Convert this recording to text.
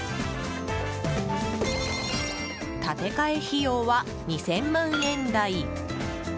建て替え費用は２０００万円台。